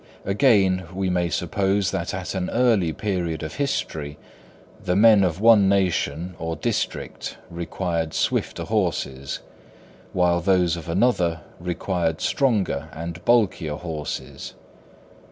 Again, we may suppose that at an early period of history, the men of one nation or district required swifter horses, while those of another required stronger and bulkier horses.